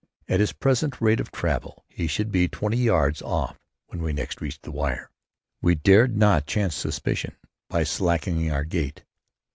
At his present rate of travel he should be twenty yards off when we next reached the wire. We dared not chance suspicion by slackening our gait.